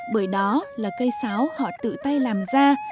bởi đó là cây sáo họ tự tay làm ra